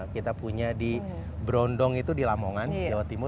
kita punya di berondong itu di lamongan jawa timur